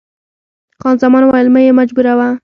خان زمان وویل، مه مې مجبوروه.